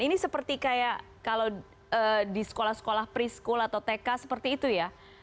ini seperti kayak kalau di sekolah sekolah pre school atau tk seperti itu ya